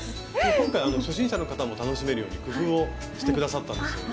今回初心者の方も楽しめるように工夫をしてくださったんですよね。